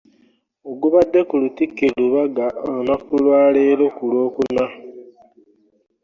Ogubadde ku Lutikko e Lubaga olunaku lwaleero ku Lwokuna.